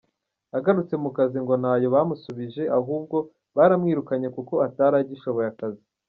Agarutse mu kazi ngo ntayo bamusubije ahubwo baramwirukanye kuko atari agishoboye akazi.